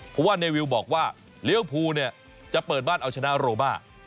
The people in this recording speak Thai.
เพราะว่าเนวิวบอกว่าเลี้ยวภูเนี่ยจะเปิดบ้านเอาชนะโรมา